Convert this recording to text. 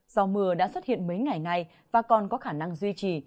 do mưa đã xuất hiện mấy ngày nay và còn có khả năng duy trì